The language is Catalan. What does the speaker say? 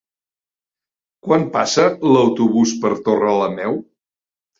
Quan passa l'autobús per Torrelameu?